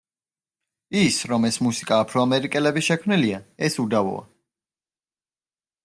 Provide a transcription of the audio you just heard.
ის, რომ ეს მუსიკა აფროამერიკელების შექმნილია ეს უდავოა.